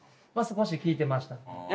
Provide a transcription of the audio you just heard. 少し聞いてました。